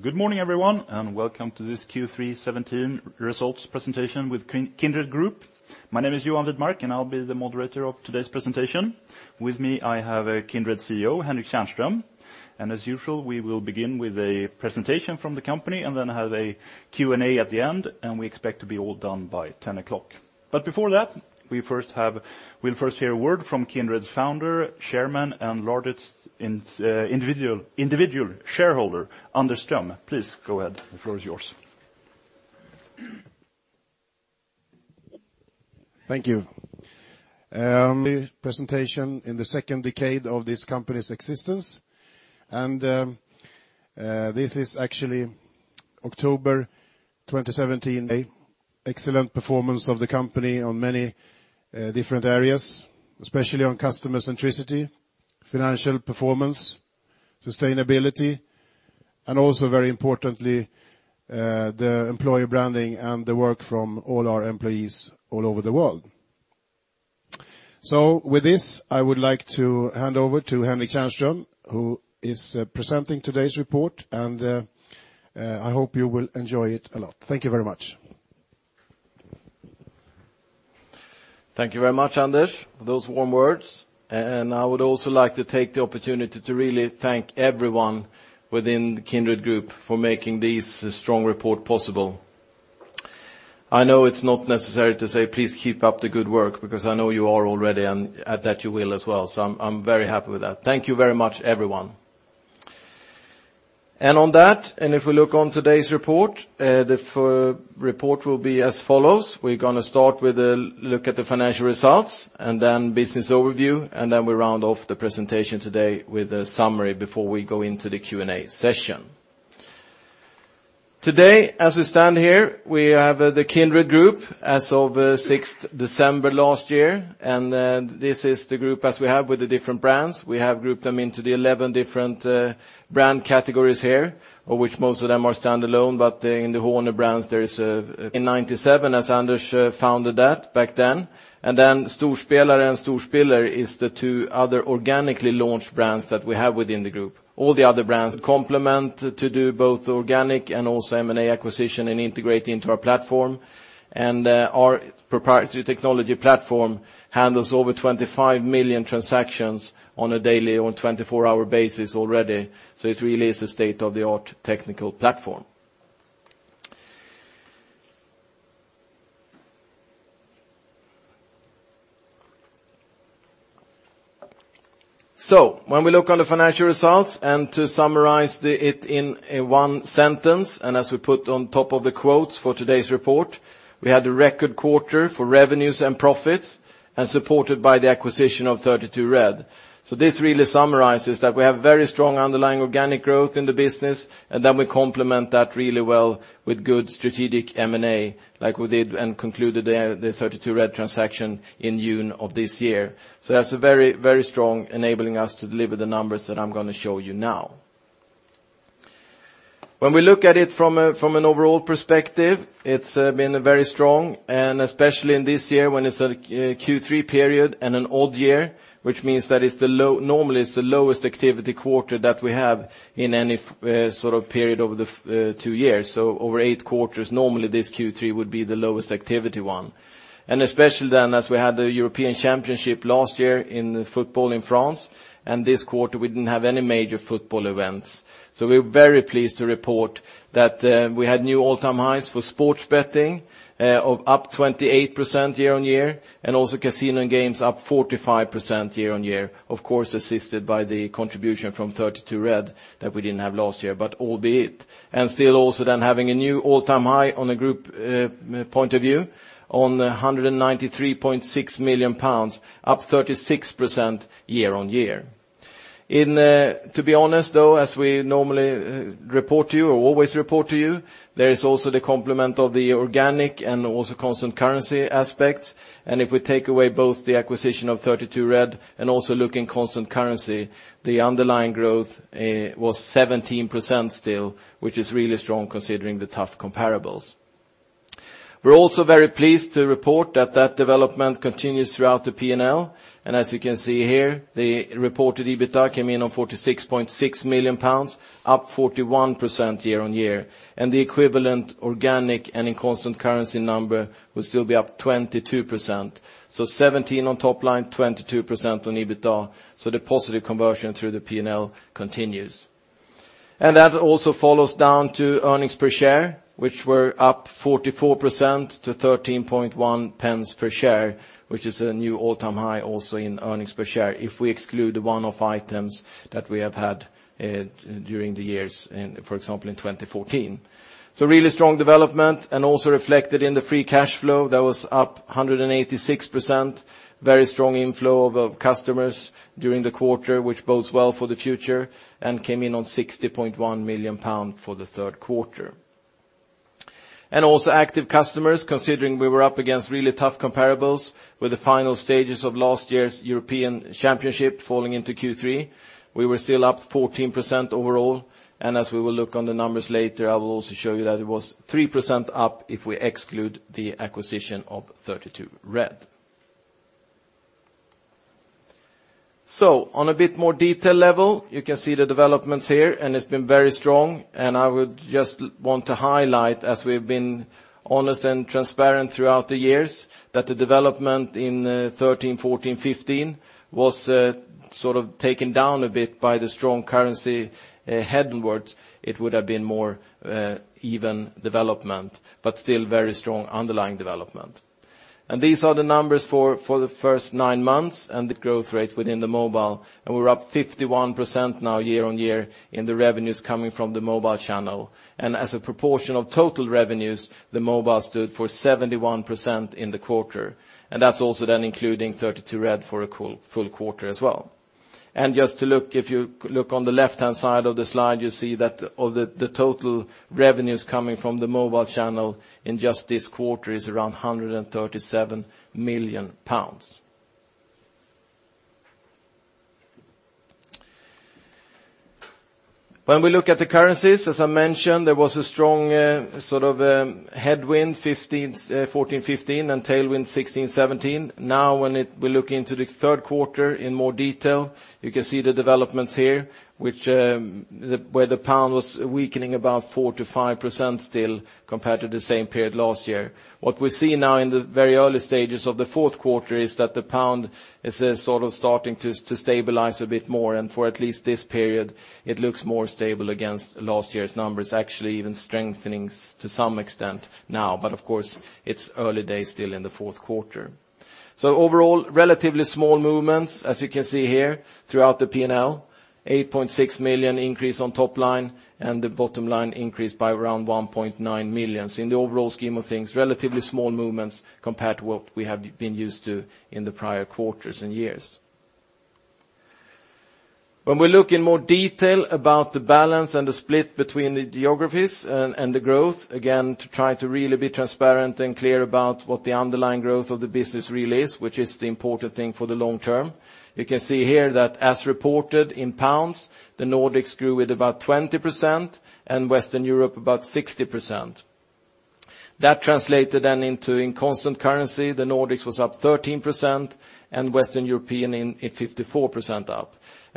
Good morning, everyone, and welcome to this Q3 2017 results presentation with Kindred Group. My name is Johan Wedmark, and I'll be the moderator of today's presentation. With me, I have Kindred CEO, Henrik Tjärnström. As usual, we will begin with a presentation from the company and then have a Q&A at the end, and we expect to be all done by 10:00 A.M. Before that, we'll first hear a word from Kindred's founder, Chairman, and largest individual shareholder, Anders Ström. Please go ahead. The floor is yours. Thank you. Presentation in the second decade of this company's existence. This is actually October 2017, a excellent performance of the company on many different areas, especially on customer centricity, financial performance, sustainability, and also, very importantly, the employee branding and the work from all our employees all over the world. With this, I would like to hand over to Henrik Tjärnström, who is presenting today's report. I hope you will enjoy it a lot. Thank you very much. Thank you very much, Anders, for those warm words. I would also like to take the opportunity to really thank everyone within the Kindred Group for making this strong report possible. I know it's not necessary to say please keep up the good work because I know you are already, and at that you will as well. I'm very happy with that. Thank you very much, everyone. On that, if we look on today's report, the report will be as follows. We're going to start with a look at the financial results, then business overview, then we round off the presentation today with a summary before we go into the Q&A session. Today, as we stand here, we have the Kindred Group as of 6th December 2016, and this is the group as we have with the different brands. We have grouped them into the 11 different brand categories here, of which most of them are standalone. In the corner brands, there is in 1997 as Anders founded that back then. Storspelare and Storspiller is the two other organically launched brands that we have within the group. All the other brands complement to do both organic and also M&A acquisition and integrate into our platform. Our proprietary technology platform handles over 25 million transactions on a daily on 24-hour basis already. It really is a state-of-the-art technical platform. When we look on the financial results to summarize it in one sentence, as we put on top of the quotes for today's report, we had a record quarter for revenues and profits supported by the acquisition of 32Red. This really summarizes that we have very strong underlying organic growth in the business, then we complement that really well with good strategic M&A like we did and concluded the 32Red transaction in June of this year. That's very strong, enabling us to deliver the numbers that I'm going to show you now. When we look at it from an overall perspective, it's been very strong, especially in this year when it's a Q3 period and an odd year, which means that it's normally the lowest activity quarter that we have in any sort of period over the two years. Over eight quarters, normally this Q3 would be the lowest activity one. Especially then as we had the UEFA European Championship last year in football in France, this quarter we didn't have any major football events. We're very pleased to report that we had new all-time highs for sports betting of up 28% year-on-year, also casino and games up 45% year-on-year, of course, assisted by the contribution from 32Red that we didn't have last year, but albeit. Still also then having a new all-time high on a group point of view on 193.6 million pounds, up 36% year-on-year. To be honest, though, as we normally report to you or always report to you, there is also the complement of the organic and also constant currency aspects, if we take away both the acquisition of 32Red and also look in constant currency, the underlying growth was 17% still, which is really strong considering the tough comparables. We're also very pleased to report that development continues throughout the P&L, as you can see here, the reported EBITDA came in on 46.6 million pounds, up 41% year-on-year, the equivalent organic and in constant currency number will still be up 22%. 17% on top line, 22% on EBITDA. The positive conversion through the P&L continues. That also follows down to earnings per share, which were up 44% to 0.131 per share, which is a new all-time high also in earnings per share if we exclude the one-off items that we have had during the years, for example, in 2014. Really strong development and also reflected in the free cash flow that was up 186%. Very strong inflow of customers during the quarter, which bodes well for the future and came in on 60.1 million pounds for the third quarter. Also active customers, considering we were up against really tough comparables with the final stages of last year's UEFA European Championship falling into Q3, we were still up 14% overall. As we will look on the numbers later, I will also show you that it was 3% up if we exclude the acquisition of 32Red. On a bit more detail level, you can see the developments here, it's been very strong. I would just want to highlight, as we've been honest and transparent throughout the years, that the development in 2013, 2014, 2015, was taken down a bit by the strong currency headwinds, it would have been more even development, still very strong underlying development. These are the numbers for the first nine months and the growth rate within the mobile, and we're up 51% now year-on-year in the revenues coming from the mobile channel. As a proportion of total revenues, the mobile stood for 71% in the quarter, and that's also then including 32Red for a full quarter as well. If you look on the left-hand side of the slide, you see that the total revenues coming from the mobile channel in just this quarter is around 137 million pounds. When we look at the currencies, as I mentioned, there was a strong headwind 2014, 2015, and tailwind 2016, 2017. Now when we look into the third quarter in more detail, you can see the developments here, where the pound was weakening about 4%-5% still compared to the same period last year. What we see now in the very early stages of the fourth quarter is that the pound is starting to stabilize a bit more and for at least this period, it looks more stable against last year's numbers, actually even strengthening to some extent now. Of course it's early days still in the fourth quarter. Overall, relatively small movements, as you can see here throughout the P&L, 8.6 million increase on top line and the bottom line increased by around 1.9 million. In the overall scheme of things, relatively small movements compared to what we have been used to in the prior quarters and years. When we look in more detail about the balance and the split between the geographies and the growth, again, to try to really be transparent and clear about what the underlying growth of the business really is, which is the important thing for the long term. You can see here that as reported in GBP, the Nordics grew at about 20% and Western Europe about 60%. That translated then into in constant currency, the Nordics was up 13% and Western European at 54% up.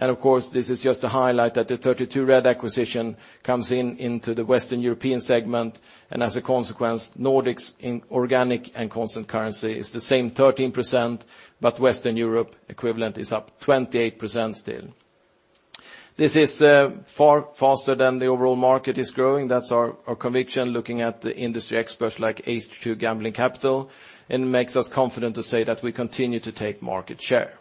Of course, this is just to highlight that the 32Red acquisition comes into the Western European segment, and as a consequence, Nordics in organic and constant currency is the same 13%, but Western Europe equivalent is up 28% still. This is far faster than the overall market is growing. That's our conviction looking at the industry experts like H2 Gambling Capital, and makes us confident to say that we continue to take market share.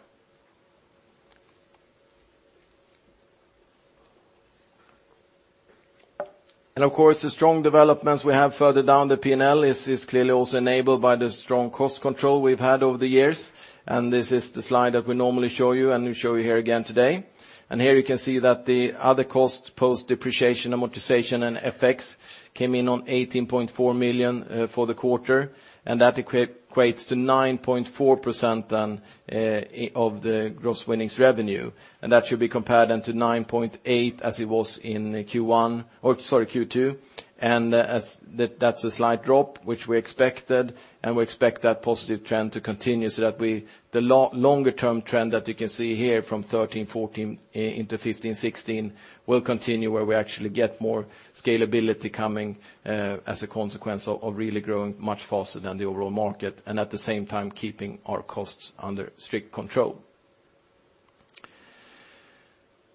Of course, the strong developments we have further down the P&L is clearly also enabled by the strong cost control we've had over the years, and this is the slide that we normally show you and we show you here again today. Here you can see that the other costs post depreciation, amortization, and FX came in on 18.4 million for the quarter, and that equates to 9.4% then of the gross winnings revenue. And that should be compared then to 9.8% as it was in Q1, or sorry, Q2. That's a slight drop, which we expected, and we expect that positive trend to continue so that the longer-term trend that you can see here from 2013, 2014, into 2015, 2016, will continue where we actually get more scalability coming, as a consequence of really growing much faster than the overall market, and at the same time keeping our costs under strict control.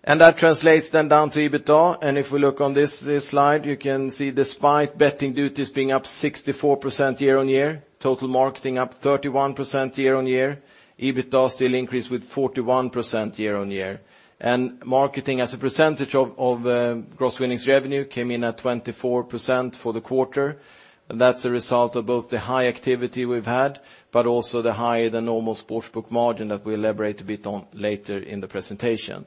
That translates then down to EBITDA, and if we look on this slide, you can see despite betting duties being up 64% year-on-year, total marketing up 31% year-on-year, EBITDA still increased with 41% year-on-year. Marketing as a percentage of gross winnings revenue came in at 24% for the quarter. That's a result of both the high activity we've had, but also the higher than normal Sportsbook margin that we'll elaborate a bit on later in the presentation.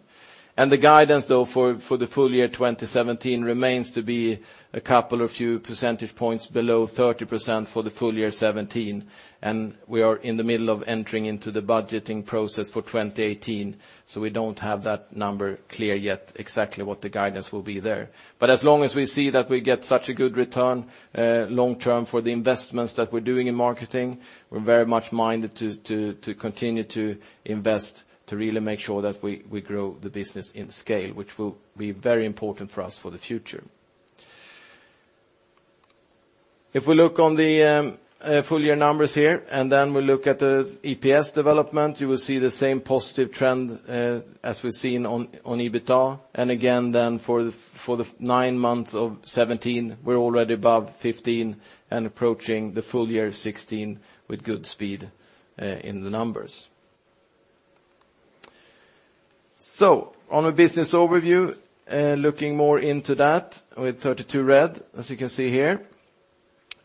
The guidance, though, for the full year 2017 remains to be a couple of few percentage points below 30% for the full year 2017, and we are in the middle of entering into the budgeting process for 2018, so we don't have that number clear yet exactly what the guidance will be there. But as long as we see that we get such a good return long-term for the investments that we're doing in marketing, we're very much minded to continue to invest to really make sure that we grow the business in scale, which will be very important for us for the future. If we look on the full-year numbers here, then we look at the EPS development, you will see the same positive trend as we've seen on EBITDA. Again then for the nine months of 2017, we're already above 2015 and approaching the full year of 2016 with good speed in the numbers. On a business overview, looking more into that with 32Red, as you can see here,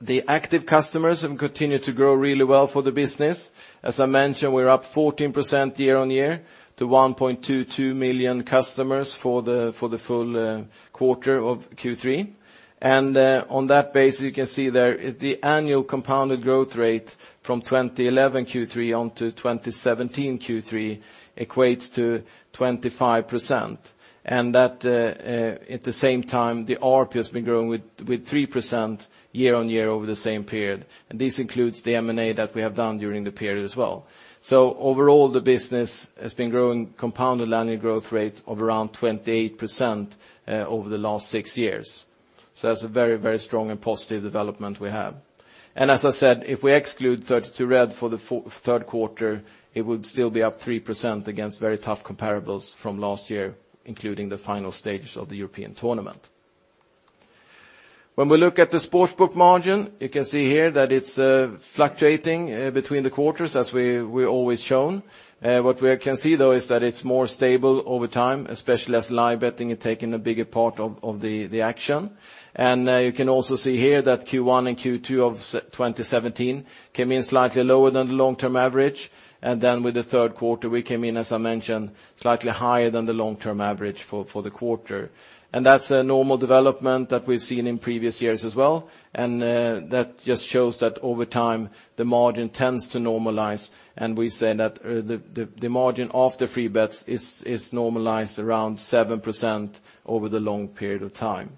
the active customers have continued to grow really well for the business. As I mentioned, we're up 14% year-on-year to 1.22 million customers for the full quarter of Q3. On that base, you can see there the annual compounded growth rate from 2011 Q3 onto 2017 Q3 equates to 25%. That at the same time, the ARPU has been growing with 3% year-on-year over the same period. This includes the M&A that we have done during the period as well. So overall, the business has been growing compounded annual growth rates of around 28% over the last six years. That's a very strong and positive development we have. As I said, if we exclude 32Red for the third quarter, it would still be up 3% against very tough comparables from last year, including the final stages of the European tournament. When we look at the Sportsbook margin, you can see here that it's fluctuating between the quarters as we always shown. What we can see though is that it's more stable over time, especially as live betting is taking a bigger part of the action. You can also see here that Q1 and Q2 of 2017 came in slightly lower than the long-term average. Then with the third quarter, we came in, as I mentioned, slightly higher than the long-term average for the quarter. That's a normal development that we've seen in previous years as well. That just shows that over time, the margin tends to normalize. We say that the margin of the free bets is normalized around 7% over the long period of time.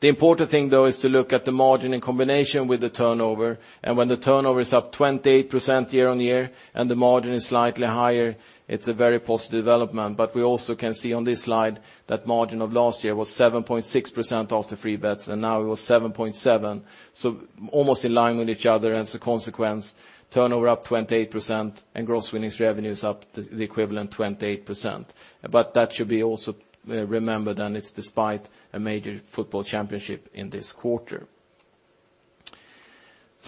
The important thing, though, is to look at the margin in combination with the turnover. When the turnover is up 28% year-on-year and the margin is slightly higher, it's a very positive development. We also can see on this slide that margin of last year was 7.6% off the free bets, and now it was 7.7%. Almost in line with each other. As a consequence, turnover up 28% and gross winnings revenues up the equivalent 28%. That should be also remembered. It's despite a major football championship in this quarter.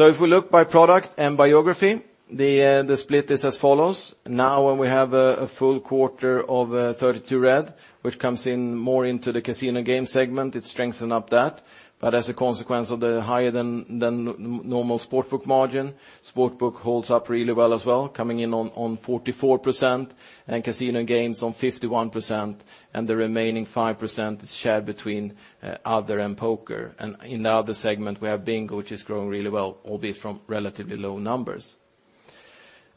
If we look by product and by geography, the split is as follows. Now when we have a full quarter of 32Red, which comes in more into the casino game segment, it strengthened that. As a consequence of the higher than normal Sportsbook margin, Sportsbook holds up really well as well, coming in on 44%, casino games on 51%, and the remaining 5% is shared between other and poker. In the other segment, we have bingo, which is growing really well, albeit from relatively low numbers.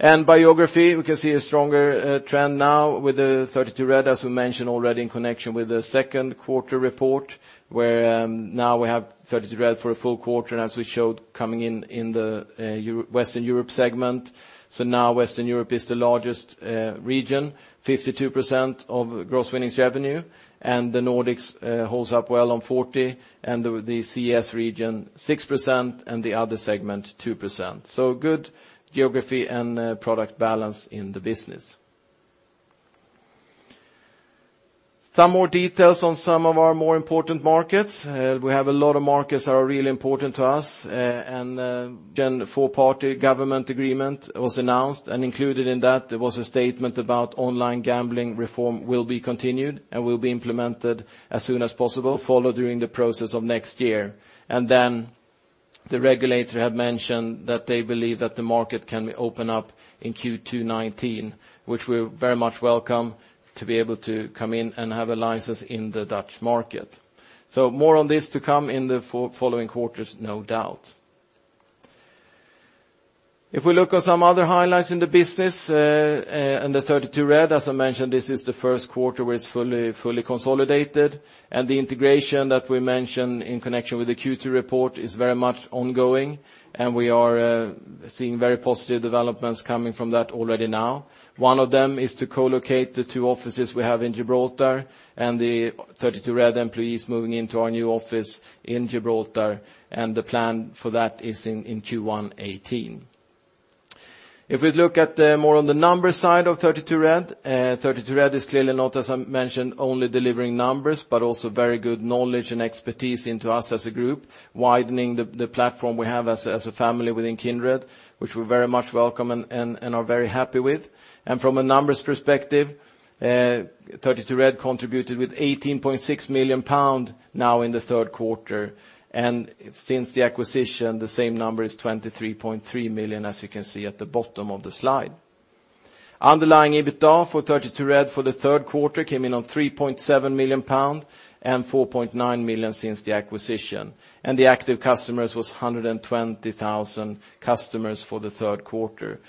By geography, we can see a stronger trend now with 32Red, as we mentioned already in connection with the second quarter report, where now we have 32Red for a full quarter, and as we showed, coming in the Western Europe segment. Now Western Europe is the largest region, 52% of gross winnings revenue. The Nordics holds up well on 40%, the CES region 6%, and the other segment 2%. Good geography and product balance in the business. Some more details on some of our more important markets. We have a lot of markets that are really important to us. A four-party government agreement was announced, and included in that there was a statement about online gambling reform will be continued and will be implemented as soon as possible, follow during the process of next year. The regulator had mentioned that they believe that the market can be opened up in Q2 2019, which we very much welcome to be able to come in and have a license in the Dutch market. More on this to come in the following quarters, no doubt. If we look at some other highlights in the business, under 32Red, as I mentioned, this is the first quarter where it's fully consolidated. The integration that we mentioned in connection with the Q2 report is very much ongoing, and we are seeing very positive developments coming from that already now. One of them is to co-locate the two offices we have in Gibraltar and the 32Red employees moving into our new office in Gibraltar. The plan for that is in Q1 2018. If we look at more on the numbers side of 32Red is clearly not, as I mentioned, only delivering numbers, but also very good knowledge and expertise into us as a group, widening the platform we have as a family within Kindred, which we very much welcome and are very happy with. From a numbers perspective, 32Red contributed with 18.6 million pound in the third quarter. Since the acquisition, the same number is 23.3 million, as you can see at the bottom of the slide. Underlying EBITDA for 32Red for the third quarter came in on 3.7 million pounds and 4.9 million since the acquisition. The active customers was 120,000 customers for the third quarter.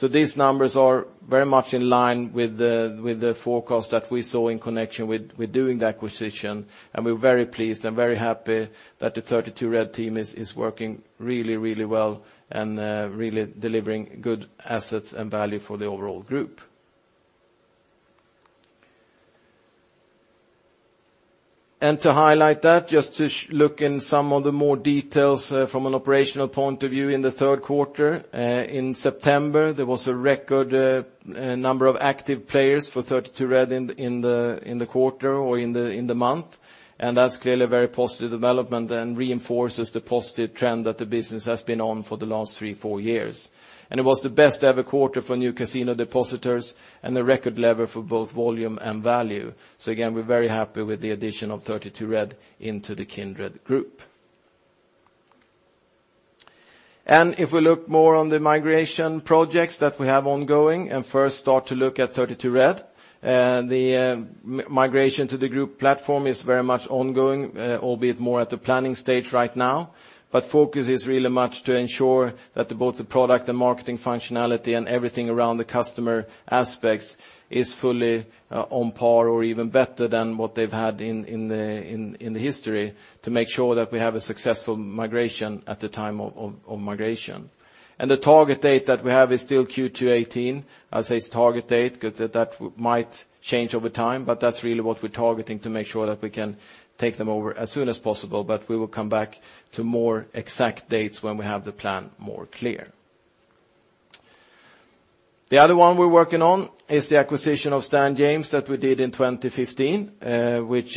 These numbers are very much in line with the forecast that we saw in connection with doing the acquisition, and we're very pleased and very happy that the 32Red team is working really well and really delivering good assets and value for the overall group. To highlight that, just to look in some of the more details from an operational point of view in the third quarter. In September, there was a record number of active players for 32Red in the quarter or in the month, and that's clearly a very positive development and reinforces the positive trend that the business has been on for the last three, four years. It was the best-ever quarter for new casino depositors and a record level for both volume and value. Again, we're very happy with the addition of 32Red into the Kindred Group. If we look more on the migration projects that we have ongoing and first start to look at 32Red, the migration to the group platform is very much ongoing, albeit more at the planning stage right now. Focus is really much to ensure that both the product and marketing functionality and everything around the customer aspects is fully on par or even better than what they've had in the history to make sure that we have a successful migration at the time of migration. The target date that we have is still Q2 2018. I'll say it's target date because that might change over time, but that's really what we're targeting to make sure that we can take them over as soon as possible, but we will come back to more exact dates when we have the plan more clear. The other one we're working on is the acquisition of Stan James that we did in 2015, which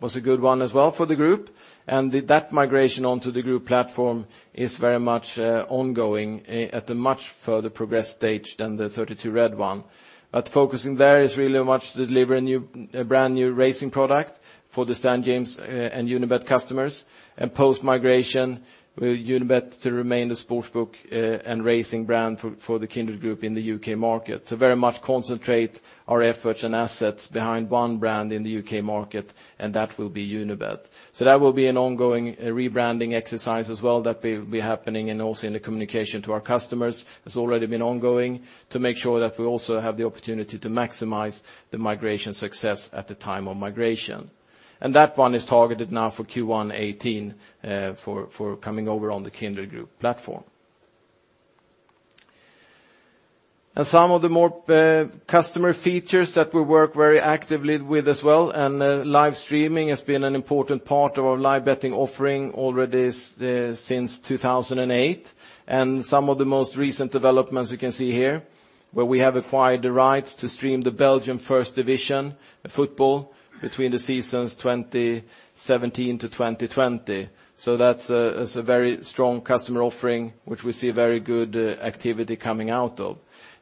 was a good one as well for the group. That migration onto the group platform is very much ongoing at a much further progress stage than the 32Red one. Focusing there is really much to deliver a brand-new racing product for the Stan James and Unibet customers. Post-migration, Unibet to remain the sportsbook and racing brand for the Kindred Group in the U.K. market. To very much concentrate our efforts and assets behind one brand in the U.K. market, and that will be Unibet. That will be an ongoing rebranding exercise as well that will be happening, and also in the communication to our customers has already been ongoing to make sure that we also have the opportunity to maximize the migration success at the time of migration. That one is targeted now for Q1 2018 for coming over on the Kindred Group platform. Some of the more customer features that we work very actively with as well, live streaming has been an important part of our live betting offering already since 2008. Some of the most recent developments you can see here, where we have acquired the rights to stream the Belgium first division football between the seasons 2017 to 2020. That's a very strong customer offering, which we see very good activity coming out of.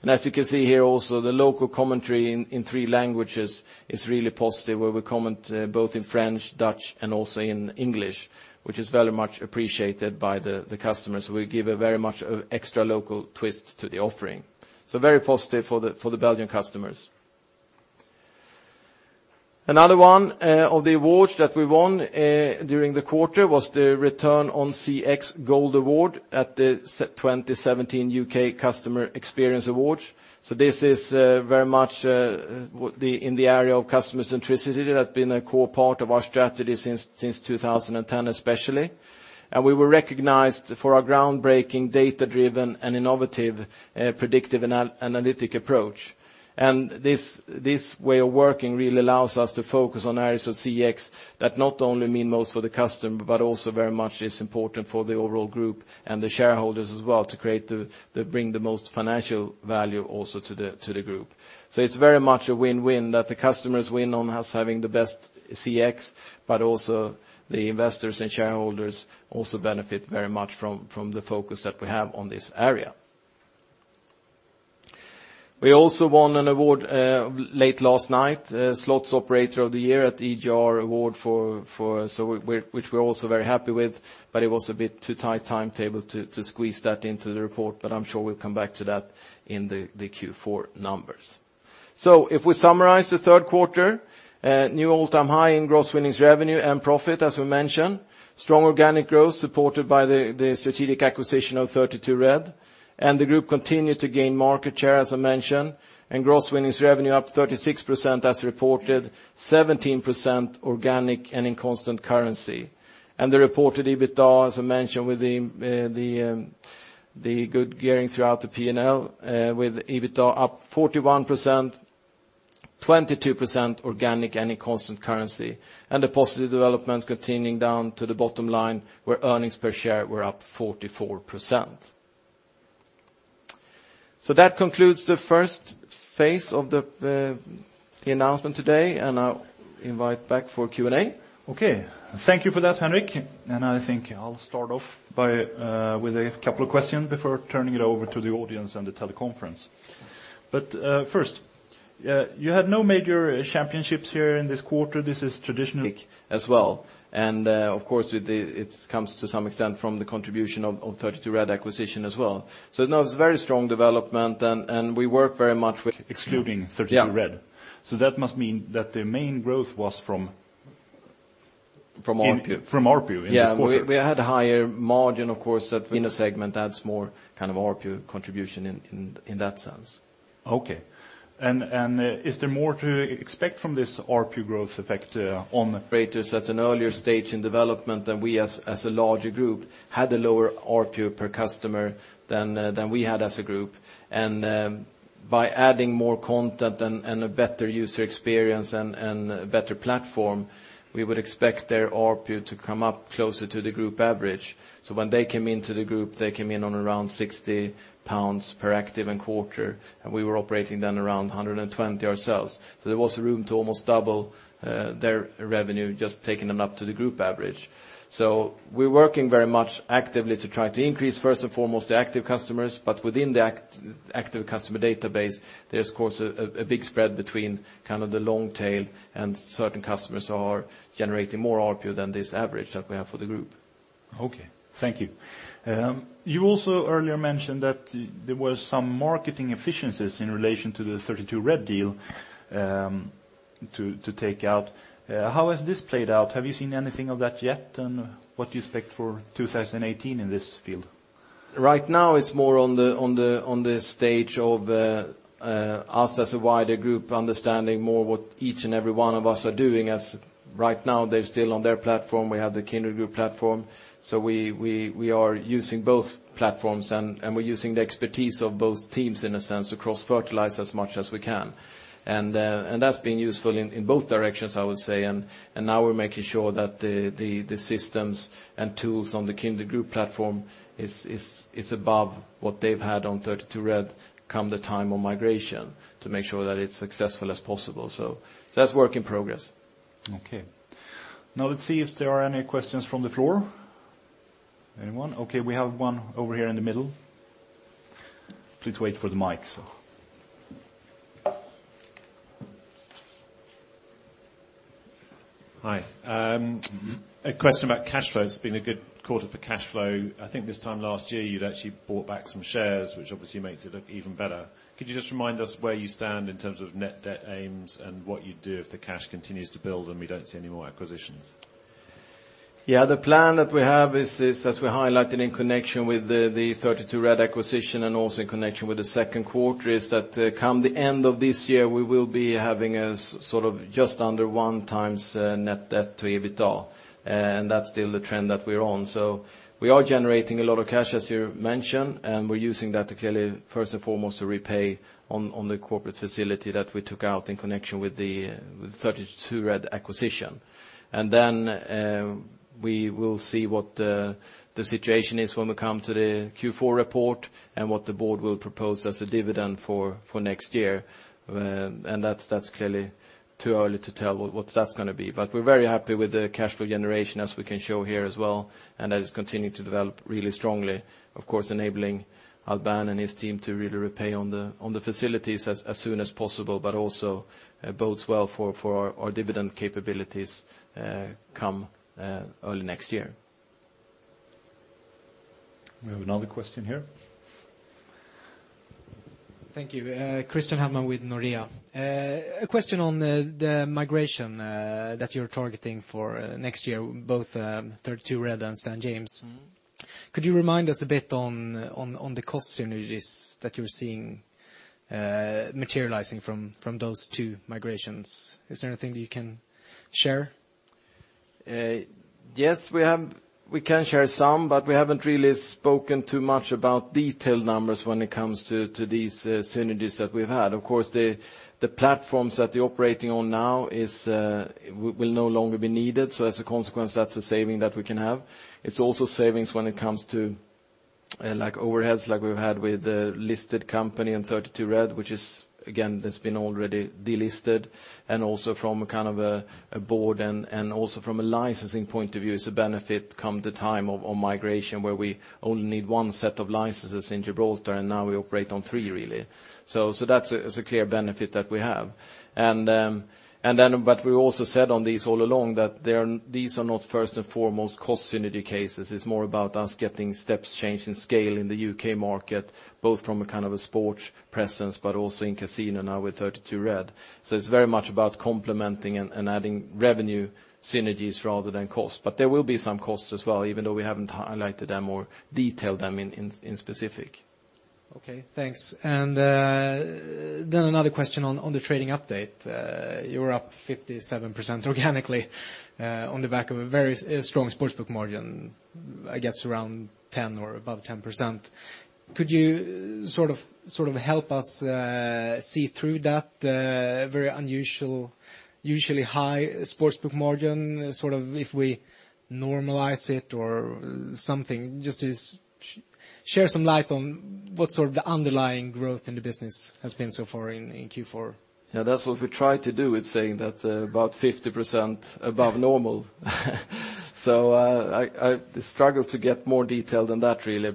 As you can see here also, the local commentary in three languages is really positive, where we comment both in French, Dutch, and also in English, which is very much appreciated by the customers, who will give a very much extra local twist to the offering. Very positive for the Belgian customers. Another one of the awards that we won during the quarter was the Return on CX Gold Award at the 2017 U.K. Customer Experience Awards. This is very much in the area of customer centricity. That's been a core part of our strategy since 2010, especially. We were recognized for our groundbreaking, data-driven, and innovative predictive analytic approach. This way of working really allows us to focus on areas of CX that not only mean most for the customer, but also very much is important for the overall group and the shareholders as well to bring the most financial value also to the group. It's very much a win-win that the customers win on us having the best CX, but also the investors and shareholders also benefit very much from the focus that we have on this area. We also won an award late last night, Slots Operator of the Year at EGR Awards, which we're also very happy with, but it was a bit too tight timetable to squeeze that into the report, but I'm sure we'll come back to that in the Q4 numbers. If we summarize the third quarter, a new all-time high in gross winnings revenue and profit, as we mentioned. Strong organic growth supported by the strategic acquisition of 32Red, the group continued to gain market share, as I mentioned, gross winnings revenue up 36% as reported, 17% organic and in constant currency. The reported EBITDA, as I mentioned, with the good gearing throughout the P&L, with EBITDA up 41%, 22% organic and in constant currency. The positive developments continuing down to the bottom line, where earnings per share were up 44%. That concludes the first phase of the announcement today, and I'll invite back for Q&A. Okay. Thank you for that, Henrik. I think I'll start off with a couple of questions before turning it over to the audience on the teleconference. First, you had no major championships here in this quarter. This is traditionally- As well. Of course, it comes to some extent from the contribution of 32Red acquisition as well. It was a very strong development, and we work very much with- Excluding 32Red. Yeah. That must mean that the main growth was from- From ARPU. From ARPU in this quarter. Yeah. We had a higher margin, of course, that in a segment adds more kind of ARPU contribution in that sense. Okay. Is there more to expect from this ARPU growth effect? Operators at an earlier stage in development than we as a larger group, had a lower ARPU per customer than we had as a group. By adding more content and a better user experience and a better platform, we would expect their ARPU to come up closer to the group average. When they came into the group, they came in on around 60 pounds per active and quarter, and we were operating then around 120 ourselves. There was room to almost double their revenue, just taking them up to the group average. We're working very much actively to try to increase, first and foremost, the active customers. Within the active customer database, there's of course a big spread between kind of the long tail and certain customers are generating more ARPU than this average that we have for the group. Okay. Thank you. You also earlier mentioned that there was some marketing efficiencies in relation to the 32Red deal to take out. How has this played out? Have you seen anything of that yet? What do you expect for 2018 in this field? Right now it's more on the stage of us as a wider group understanding more what each and every one of us are doing. As right now they're still on their platform. We have the Kindred Group platform. We are using both platforms, and we're using the expertise of both teams in a sense to cross-fertilize as much as we can. That's been useful in both directions, I would say. Now we're making sure that the systems and tools on the Kindred Group platform is above what they've had on 32Red come the time of migration to make sure that it's successful as possible. That's work in progress. Okay. Now let's see if there are any questions from the floor. Anyone? Okay, we have one over here in the middle. Please wait for the mic. Hi. A question about cash flow. It's been a good quarter for cash flow. I think this time last year you'd actually bought back some shares, which obviously makes it look even better. Could you just remind us where you stand in terms of net debt aims and what you'd do if the cash continues to build, and we don't see any more acquisitions? The plan that we have is, as we highlighted in connection with the 32Red acquisition and also in connection with the second quarter, is that come the end of this year, we will be having just under one times net debt to EBITDA. That's still the trend that we're on. We are generating a lot of cash, as you mentioned, and we're using that to clearly, first and foremost, to repay on the corporate facility that we took out in connection with the 32Red acquisition. Then, we will see what the situation is when we come to the Q4 report, and what the board will propose as a dividend for next year. That's clearly too early to tell what that's going to be. We're very happy with the cash flow generation as we can show here as well, and that is continuing to develop really strongly. Of course, enabling Albin and his team to really repay on the facilities as soon as possible, but also bodes well for our dividend capabilities come early next year. We have another question here. Thank you. Christian Hellman with Nordea. A question on the migration that you're targeting for next year, both 32Red and Stan James. Could you remind us a bit on the cost synergies that you're seeing materializing from those two migrations? Is there anything you can share? Yes, we can share some, but we haven't really spoken too much about detailed numbers when it comes to these synergies that we've had. Of course, the platforms that they're operating on now will no longer be needed, so as a consequence, that's a saving that we can have. It's also savings when it comes to overheads like we've had with the listed company and 32Red, which again, has been already delisted, and also from a board and also from a licensing point of view, it's a benefit come the time of migration where we only need one set of licenses in Gibraltar, and now we operate on three, really. That's a clear benefit that we have. We also said on these all along that these are not first and foremost cost synergy cases. It's more about us getting steps change in scale in the U.K. market, both from a sports presence, but also in casino now with 32Red. It's very much about complementing and adding revenue synergies rather than cost. There will be some costs as well, even though we haven't highlighted them or detailed them in specific. Okay, thanks. Another question on the trading update. You're up 57% organically on the back of a very strong sports book margin, I guess around 10% or above 10%. Could you help us see through that very unusual, usually high sports book margin, if we normalize it or something? Just to share some light on what sort of the underlying growth in the business has been so far in Q4. Yeah, that's what we try to do with saying that about 50% above normal. I struggle to get more detail than that, really.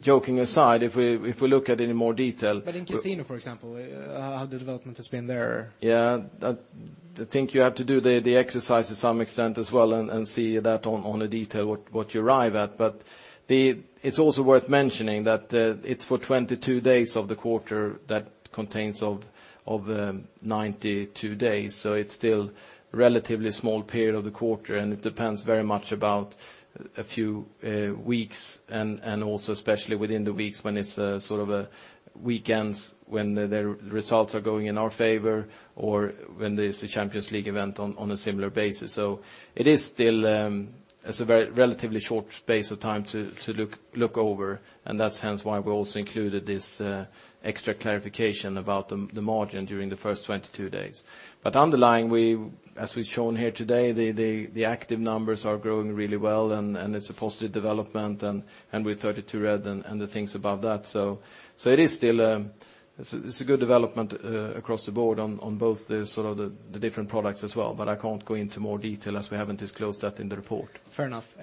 Joking aside, if we look at it in more detail- In casino, for example, how the development has been there. Yeah. I think you have to do the exercise to some extent as well and see that on a detail what you arrive at. It's also worth mentioning that it's for 22 days of the quarter that contains of 92 days. It's still a relatively small period of the quarter, and it depends very much about a few weeks and also especially within the weeks when it's weekends when the results are going in our favor or when there's a Champions League event on a similar basis. It is still a relatively short space of time to look over, and that's hence why we also included this extra clarification about the margin during the first 22 days. Underlying, as we've shown here today, the active numbers are growing really well and it's a positive development, and with 32Red and the things above that. It's a good development across the board on both the different products as well. I can't go into more detail as we haven't disclosed that in the report. Fair enough.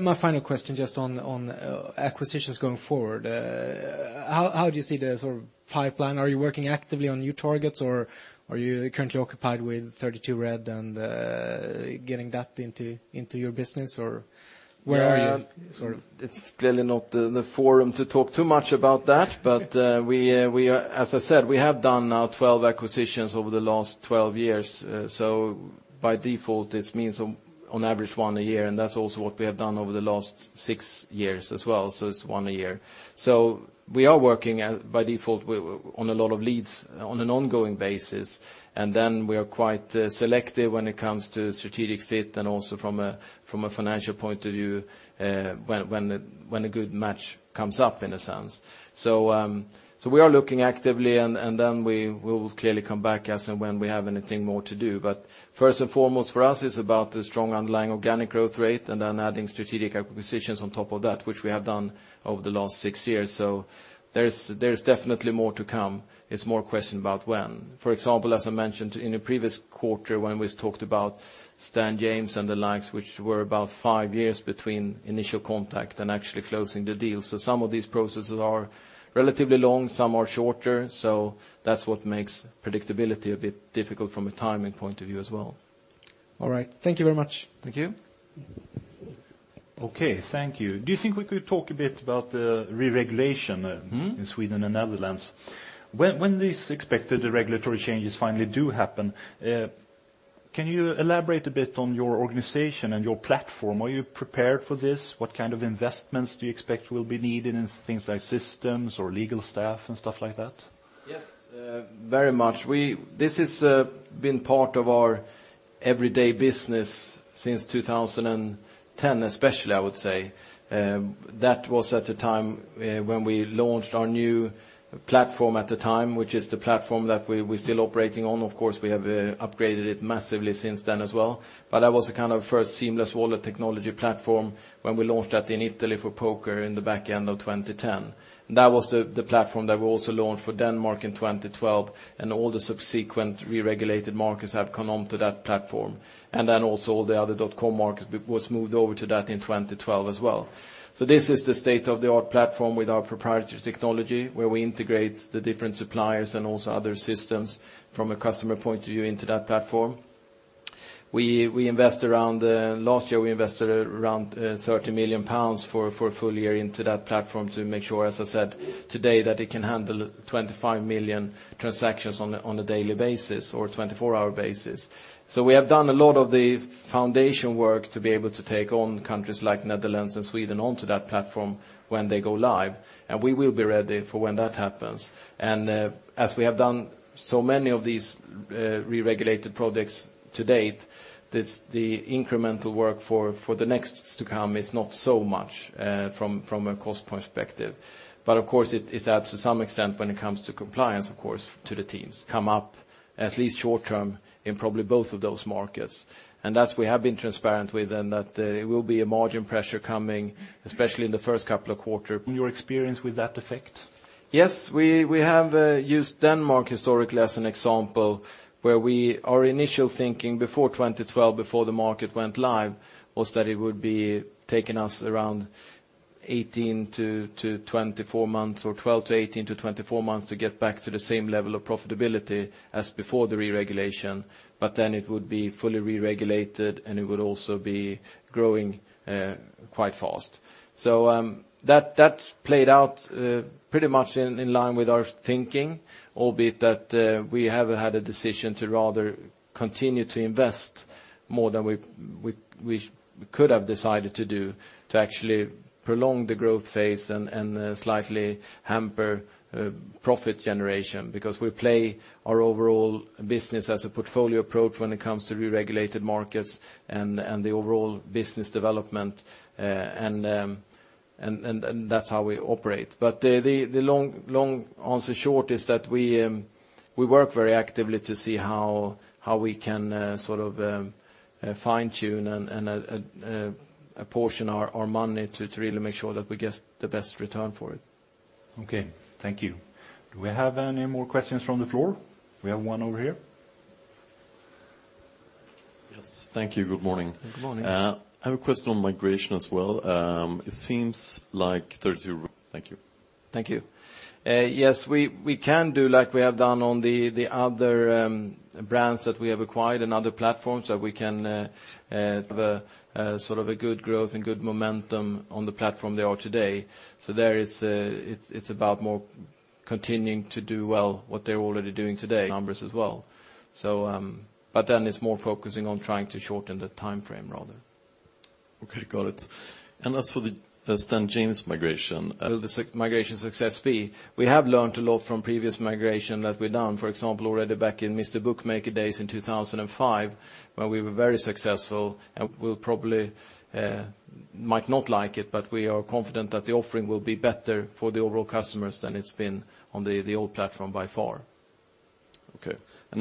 My final question, just on acquisitions going forward. How do you see the pipeline? Are you working actively on new targets, or are you currently occupied with 32Red and getting that into your business, or where are you? It's clearly not the forum to talk too much about that. As I said, we have done now 12 acquisitions over the last 12 years. By default, this means on average one a year, and that's also what we have done over the last six years as well. It's one a year. We are working by default on a lot of leads on an ongoing basis. Then we are quite selective when it comes to strategic fit and also from a financial point of view, when a good match comes up in a sense. We are looking actively, and then we will clearly come back as and when we have anything more to do. First and foremost for us, it's about the strong underlying organic growth rate and then adding strategic acquisitions on top of that, which we have done over the last six years. There's definitely more to come. It's more a question about when. For example, as I mentioned in a previous quarter when we talked about Stan James and the likes, which were about five years between initial contact and actually closing the deal. Some of these processes are relatively long, some are shorter. That's what makes predictability a bit difficult from a timing point of view as well. All right. Thank you very much. Thank you. Okay, thank you. Do you think we could talk a bit about the re-regulation in Sweden and Netherlands? When these expected regulatory changes finally do happen, can you elaborate a bit on your organization and your platform? Are you prepared for this? What kind of investments do you expect will be needed in things like systems or legal staff and stuff like that? Yes, very much. This has been part of our everyday business since 2010, especially, I would say. That was at the time when we launched our new platform at the time, which is the platform that we're still operating on. Of course, we have upgraded it massively since then as well. That was a kind of first seamless wallet technology platform when we launched that in Italy for poker in the back end of 2010. That was the platform that we also launched for Denmark in 2012, and all the subsequent re-regulated markets have come onto that platform. Also all the other .com markets was moved over to that in 2012 as well. This is the state-of-the-art platform with our proprietary technology, where we integrate the different suppliers and also other systems from a customer point of view into that platform. Last year we invested around 30 million pounds for a full year into that platform to make sure, as I said today, that it can handle 25 million transactions on a daily basis or 24-hour basis. We have done a lot of the foundation work to be able to take on countries like Netherlands and Sweden onto that platform when they go live, and we will be ready for when that happens. As we have done so many of these re-regulated projects to date, the incremental work for the next to come is not so much from a cost perspective. Of course, it adds to some extent when it comes to compliance, of course, to the teams come up at least short-term in probably both of those markets. That we have been transparent with them that it will be a margin pressure coming, especially in the first couple of quarters. Your experience with that effect? Yes. We have used Denmark historically as an example, where our initial thinking before 2012, before the market went live, was that it would be taking us around 12 to 18 to 24 months to get back to the same level of profitability as before the re-regulation. It would be fully re-regulated, and it would also be growing quite fast. That played out pretty much in line with our thinking, albeit that we have had a decision to rather continue to invest more than we could have decided to do to actually prolong the growth phase and slightly hamper profit generation because we play our overall business as a portfolio approach when it comes to re-regulated markets and the overall business development. That's how we operate. The long answer short is that we work very actively to see how we can fine-tune and apportion our money to really make sure that we get the best return for it. Okay, thank you. Do we have any more questions from the floor? We have one over here. Yes. Thank you. Good morning. Good morning. I have a question on migration as well. Thank you. Thank you. Yes, we can do like we have done on the other brands that we have acquired and other platforms that we can have a good growth and good momentum on the platform they are today. There it's about more continuing to do well what they're already doing today, numbers as well. It's more focusing on trying to shorten the timeframe, rather. Okay, got it. As for the Stan James migration, will the migration success be? We have learned a lot from previous migration that we've done, for example, already back in Mr Bookmaker days in 2005, where we were very successful and we'll probably might not like it, but we are confident that the offering will be better for the overall customers than it's been on the old platform by far.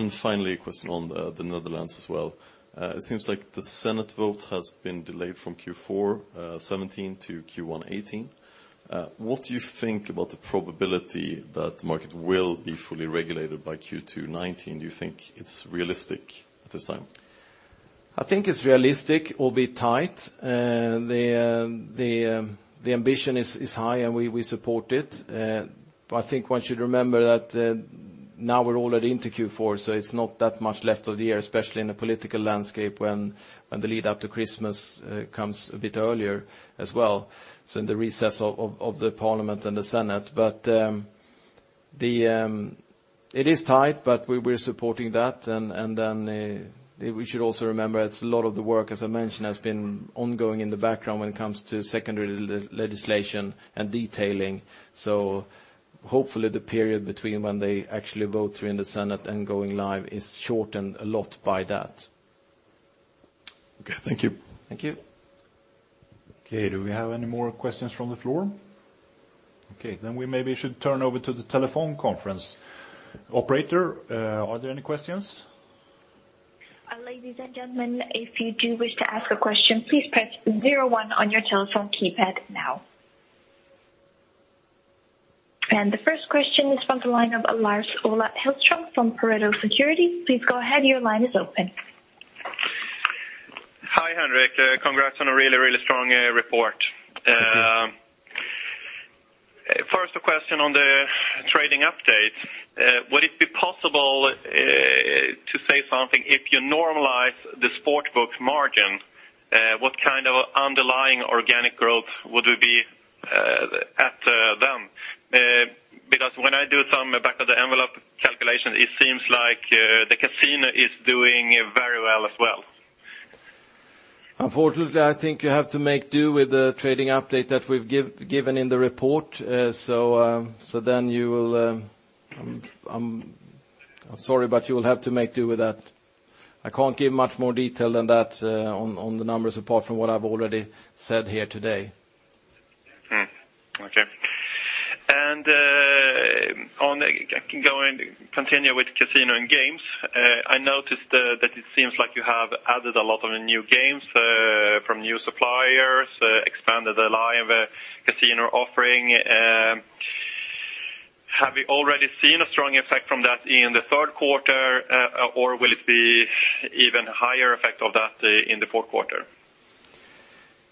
Finally, a question on the Netherlands as well. It seems like the Senate vote has been delayed from Q4 2017 to Q1 2018. What do you think about the probability that the market will be fully regulated by Q2 2019? Do you think it's realistic at this time? I think it's realistic, albeit tight. The ambition is high, and we support it. I think one should remember that now we're already into Q4, it's not that much left of the year, especially in a political landscape when the lead up to Christmas comes a bit earlier as well, in the recess of the Parliament and the Senate. It is tight, but we're supporting that. We should also remember, a lot of the work, as I mentioned, has been ongoing in the background when it comes to secondary legislation and detailing. Hopefully the period between when they actually vote through in the Senate and going live is shortened a lot by that. Okay, thank you. Thank you. Do we have any more questions from the floor? Then we maybe should turn over to the telephone conference. Operator, are there any questions? Ladies and gentlemen, if you do wish to ask a question, please press 01 on your telephone keypad now. The first question is from the line of Lars-Ola Hellström from Pareto Securities. Please go ahead, your line is open. Hi, Henrik. Congrats on a really strong report. Thank you update, would it be possible to say something, if you normalize the Sportsbook margin, what kind of underlying organic growth would we be at then? Because when I do some back of the envelope calculation, it seems like the Casino is doing very well as well. Unfortunately, I think you have to make do with the trading update that we've given in the report. I'm sorry, you will have to make do with that. I can't give much more detail than that on the numbers apart from what I've already said here today. Okay. I can go and continue with Casino and games. I noticed that it seems like you have added a lot of new games from new suppliers, expanded the Live Casino offering. Have you already seen a strong effect from that in the third quarter, or will it be even higher effect of that in the fourth quarter?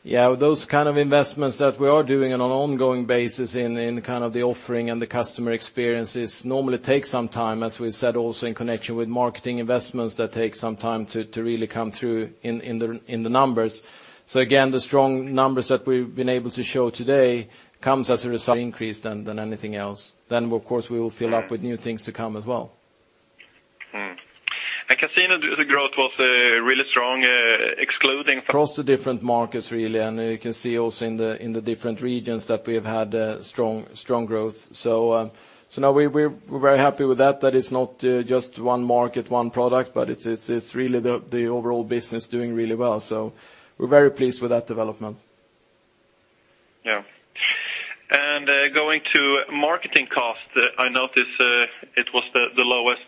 Yeah, those kind of investments that we are doing on an ongoing basis in the offering and the customer experiences normally take some time. As we said, also in connection with marketing investments, that take some time to really come through in the numbers. Again, the strong numbers that we've been able to show today comes as a result increase than anything else. Of course, we will fill up with new things to come as well. Casino, the growth was really strong, excluding- Across the different markets, really, you can see also in the different regions that we have had strong growth. Now we're very happy with that it's not just one market, one product, but it's really the overall business doing really well. We're very pleased with that development. Yeah. Going to marketing cost, I noticed it was the lowest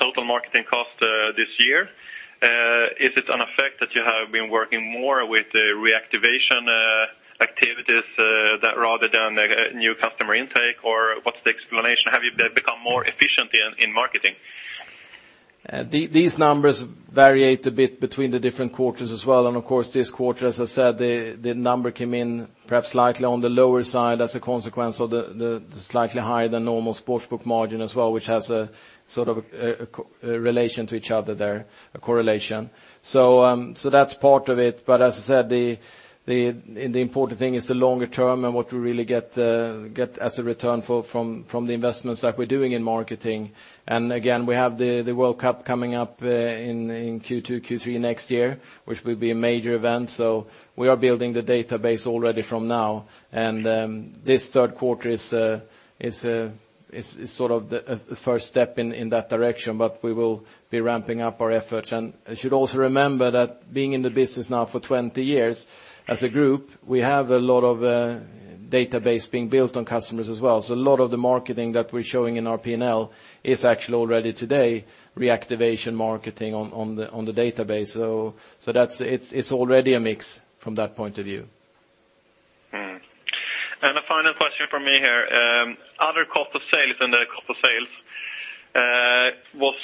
total marketing cost this year. Is it an effect that you have been working more with reactivation activities rather than new customer intake, or what's the explanation? Have you become more efficient in marketing? These numbers vary a bit between the different quarters as well, of course, this quarter, as I said, the number came in perhaps slightly on the lower side as a consequence of the slightly higher than normal sports book margin as well, which has a sort of a relation to each other there, a correlation. That's part of it, but as I said, the important thing is the longer term and what we really get as a return from the investments that we're doing in marketing. Again, we have the FIFA World Cup coming up in Q2, Q3 next year, which will be a major event. We are building the database already from now. This third quarter is sort of the first step in that direction, but we will be ramping up our efforts. You should also remember that being in the business now for 20 years as a group, we have a lot of database being built on customers as well. A lot of the marketing that we're showing in our P&L is actually already today reactivation marketing on the database. It's already a mix from that point of view. A final question from me here. Other cost of sales under cost of sales was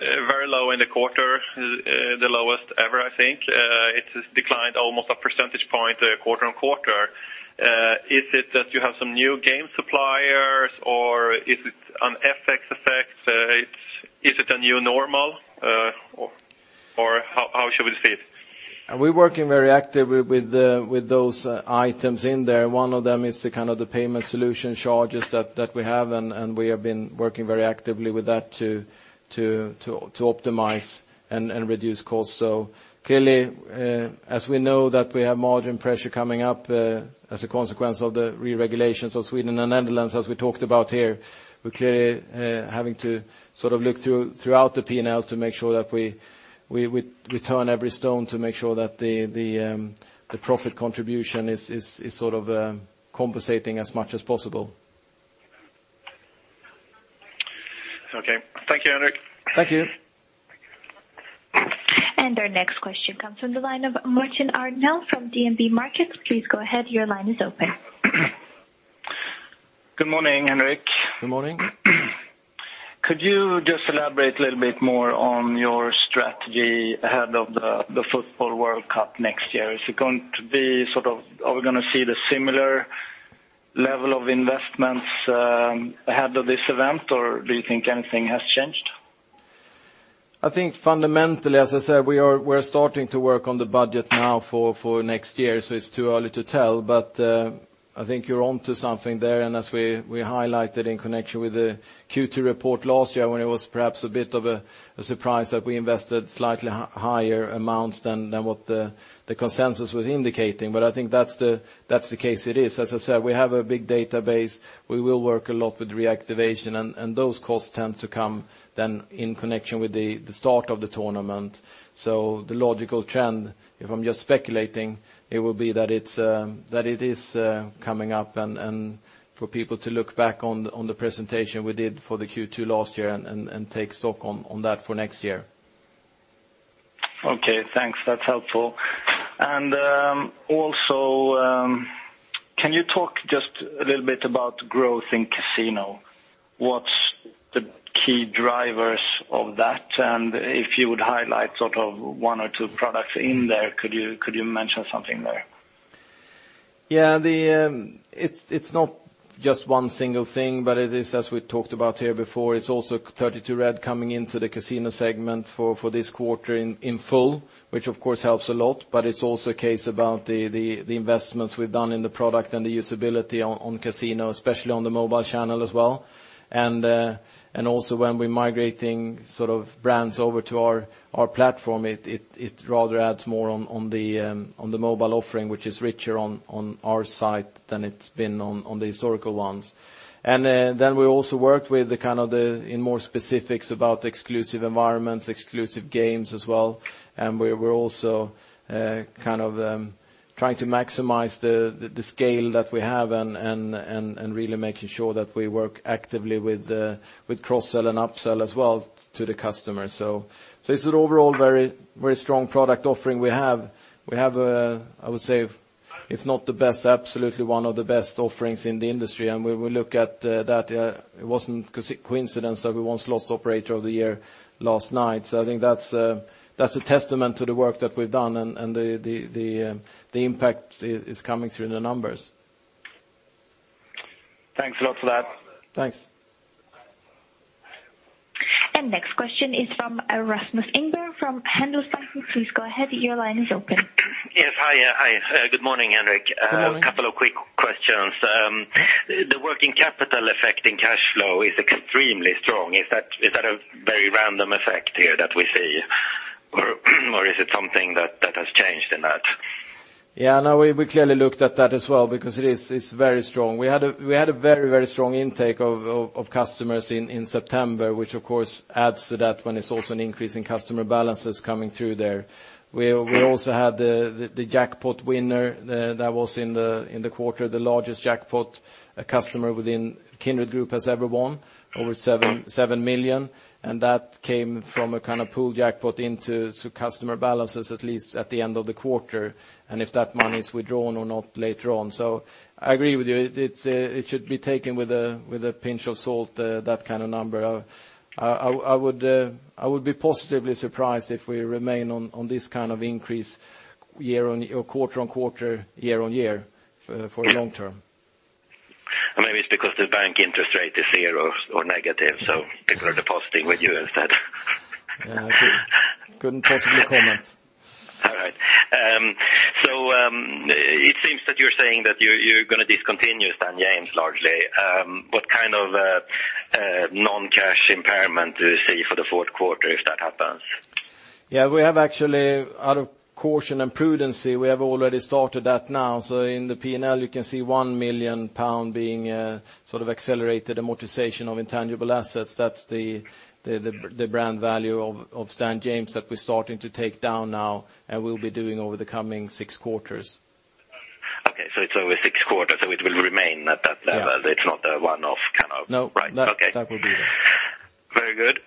very low in the quarter, the lowest ever, I think. It declined almost a percentage point quarter-on-quarter. Is it that you have some new game suppliers, or is it an FX effect? Is it a new normal? How should we see it? We're working very actively with those items in there. One of them is the payment solution charges that we have, and we have been working very actively with that to optimize and reduce costs. Clearly, as we know that we have margin pressure coming up as a consequence of the re-regulations of Sweden and Netherlands, as we talked about here, we're clearly having to look throughout the P&L to make sure that we turn every stone to make sure that the profit contribution is sort of compensating as much as possible. Okay. Thank you, Henrik. Thank you. Our next question comes from the line of Martin Arnell from DNB Markets. Please go ahead, your line is open. Good morning, Henrik. Good morning. Could you just elaborate a little bit more on your strategy ahead of the football World Cup next year? Are we going to see the similar level of investments ahead of this event, or do you think anything has changed? I think fundamentally, as I said, we are starting to work on the budget now for next year, so it is too early to tell. I think you are onto something there, and as we highlighted in connection with the Q2 report last year, when it was perhaps a bit of a surprise that we invested slightly higher amounts than what the consensus was indicating. I think that is the case it is. As I said, we have a big database. We will work a lot with reactivation, and those costs tend to come then in connection with the start of the tournament. The logical trend, if I am just speculating, it will be that it is coming up, and for people to look back on the presentation we did for the Q2 last year and take stock on that for next year. Okay, thanks. That is helpful. Also, can you talk just a little bit about growth in casino? What is the key drivers of that, and if you would highlight one or two products in there, could you mention something there? Yes, it is not just one single thing, but it is, as we talked about here before, it is also 32Red coming into the casino segment for this quarter in full, which of course helps a lot. It is also a case about the investments we have done in the product and the usability on casino, especially on the mobile channel as well. Also when we are migrating brands over to our platform, it rather adds more on the mobile offering, which is richer on our site than it has been on the historical ones. Then we also worked with the, in more specifics about exclusive environments, exclusive games as well, and we are also trying to maximize the scale that we have and really making sure that we work actively with cross-sell and up-sell as well to the customer. It is an overall very strong product offering we have. We have, I would say if not the best, absolutely one of the best offerings in the industry. We will look at that. It was no coincidence that we won Slot Operator of the Year last night. I think that's a testament to the work that we've done and the impact is coming through in the numbers. Thanks a lot for that. Thanks. Next question is from Rasmus Engberg from Handelsbanken. Please go ahead, your line is open. Yes, hi. Good morning, Henrik. Good morning. A couple of quick questions. The working capital effect in cash flow is extremely strong. Is that a very random effect here that we see? Is it something that has changed in that? Yes. No, we clearly looked at that as well because it's very strong. We had a very strong intake of customers in September, which of course adds to that when it's also an increase in customer balances coming through there. We also had the jackpot winner that was in the quarter, the largest jackpot a customer within Kindred Group has ever won, over 7 million, and that came from a kind of pooled jackpot into customer balances, at least at the end of the quarter, and if that money is withdrawn or not later on. I agree with you. It should be taken with a pinch of salt, that kind of number. I would be positively surprised if we remain on this kind of increase quarter-on-quarter, year-on-year for the long term. Maybe it's because the bank interest rate is zero or negative, so people are depositing with you instead. Yes. Couldn't possibly comment. All right. It seems that you're saying that you're going to discontinue Stan James largely. What kind of non-cash impairment do we see for the fourth quarter if that happens? Yes. We have actually, out of caution and prudency, we have already started that now. In the P&L you can see 1 million pound being accelerated amortization of intangible assets. That's the brand value of Stan James that we're starting to take down now and will be doing over the coming 6 quarters. Okay, so it's over 6 quarters, so it will remain at that level. Yes. It's not a one-off kind of. No. Right. Okay. That will be it. Very good.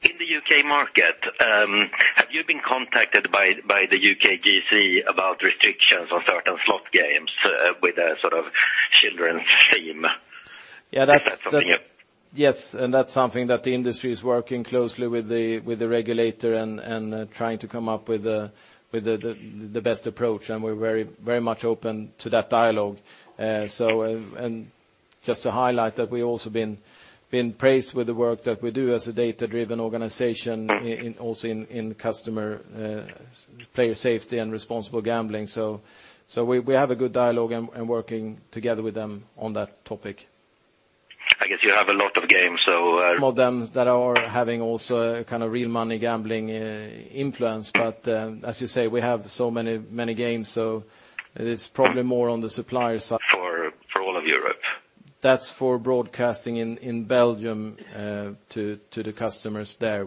In the U.K. market, have you been contacted by the UKGC about restrictions on certain slot games with a sort of children's theme? Yes, that's- Is that something you- Yes, that's something that the industry is working closely with the regulator and trying to come up with the best approach, and we're very much open to that dialogue. Just to highlight that we also been praised with the work that we do as a data-driven organization also in customer player safety and responsible gambling. We have a good dialogue and working together with them on that topic. I guess you have a lot of games, so- Of them that are having also a kind of real money gambling influence. As you say, we have so many games, it's probably more on the supplier side. For all of Europe? That's for broadcasting in Belgium to the customers there.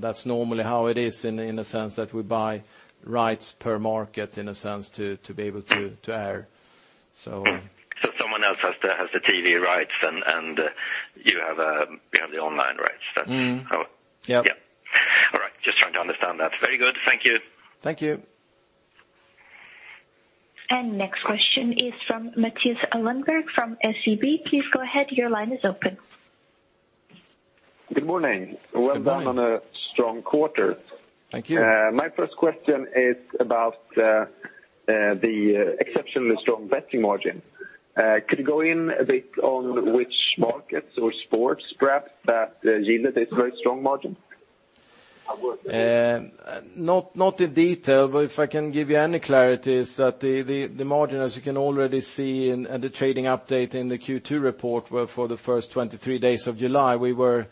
That's normally how it is in a sense that we buy rights per market, in a sense, to be able to air. Someone else has the TV rights and you have the online rights. Is that how. Yes. Yes. All right. Just trying to understand that. Very good. Thank you. Thank you. Next question is from Mattias Lindberg from SEB. Please go ahead. Your line is open. Good morning. Good morning. Well done on a strong quarter. Thank you. My first question is about the exceptionally strong betting margin. Could you go in a bit on which markets or sports, perhaps, that yielded this very strong margin? Not in detail, if I can give you any clarity, is that the margin, as you can already see in the trading update in the Q2 report were for the first 23 days of July. We were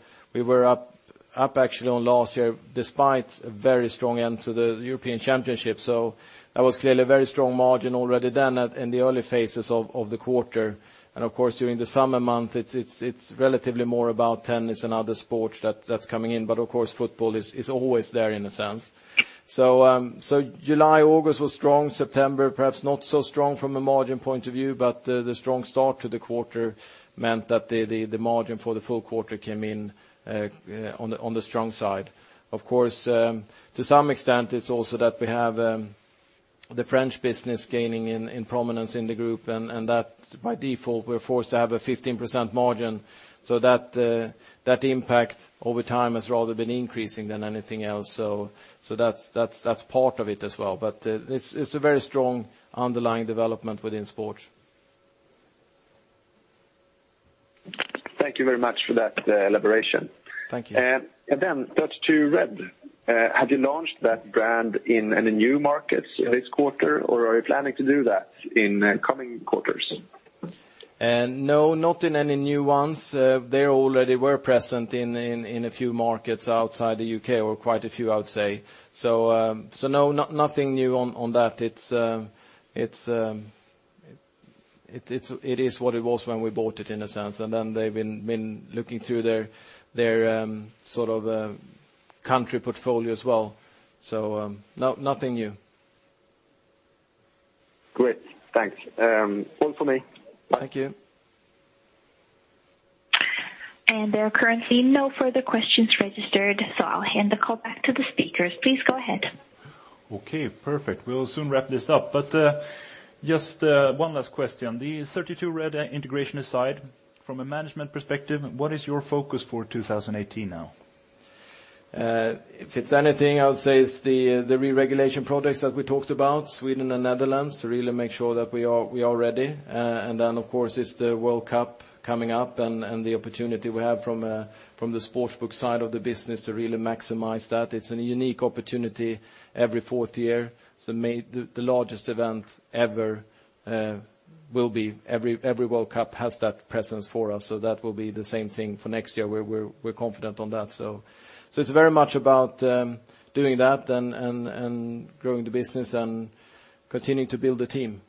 up actually on last year despite a very strong end to the European Championship. That was clearly a very strong margin already then at in the early phases of the quarter. Of course, during the summer month, it's relatively more about tennis and other sports that's coming in, but of course football is always there in a sense. July, August was strong. September perhaps not so strong from a margin point of view, but the strong start to the quarter meant that the margin for the full quarter came in on the strong side. Of course, to some extent it's also that we have the French business gaining in prominence in the group, and that by default we're forced to have a 15% margin so that impact over time has rather been increasing than anything else. That's part of it as well, but it's a very strong underlying development within sports. Thank you very much for that elaboration. Thank you. Have you launched that brand in any new markets this quarter, or are you planning to do that in coming quarters? No, not in any new ones. They already were present in a few markets outside the U.K., or quite a few, I would say. No, nothing new on that. It is what it was when we bought it, in a sense. They've been looking through their country portfolio as well. Nothing new. Great, thanks. One for me. Thank you. There are currently no further questions registered, so I'll hand the call back to the speakers. Please go ahead. Okay, perfect. We'll soon wrap this up, just one last question. The 32Red integration aside, from a management perspective, what is your focus for 2018 now? If it's anything, I would say it's the re-regulation projects that we talked about, Sweden and Netherlands, to really make sure that we are ready. Of course, it's the World Cup coming up and the opportunity we have from the sportsbook side of the business to really maximize that. It's a unique opportunity every fourth year. Every World Cup has that presence for us. That will be the same thing for next year. We're confident on that. It's very much about doing that and growing the business and continuing to build the team.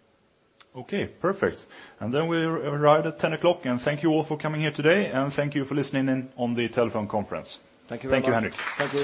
Okay, perfect. We arrived at 10:00, and thank you all for coming here today, and thank you for listening in on the telephone conference. Thank you very much. Thank you, Henrik. Thank you.